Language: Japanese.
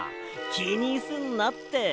きにすんなって。